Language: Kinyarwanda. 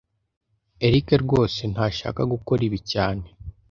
Eric rwose ntashaka gukora ibi cyane